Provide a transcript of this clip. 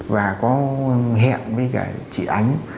và có hẹn với cả chị ánh